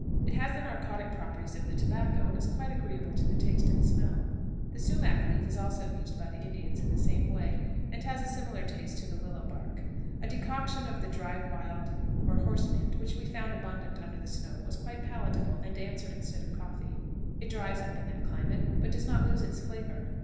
It has the narcotic properties of the tobacco, and is quite agreeable to the taste and smell. The sumach leaf is also used by the Indians in the same way, and has a similar taste to the willow bark. A decoction of the dried wild or horse mint, which we found abundant under the snow, was quite palatable, and answered instead of coffee. It dries up in that climate, but does not lose its flavor.